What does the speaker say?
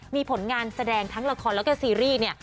มีผลงานแสดงทั้งละครแล้วกับซีรีส์